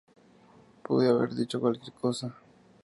Pude haber dicho cualquier cosa".